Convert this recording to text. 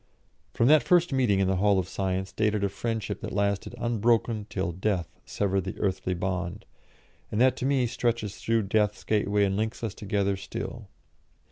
From that first meeting in the Hall of Science dated a friendship that lasted unbroken till Death severed the earthly bond, and that to me stretches through Death's gateway and links us together still.